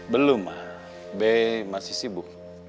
belum ma be masih sibuk